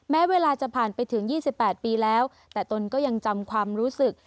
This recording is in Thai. แม้เวลาจะผ่านไปถึง๒๘ปีแล้วแต่ตนก็ยังจำความรู้สึก